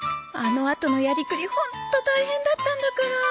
あのあとのやりくりホント大変だったんだから。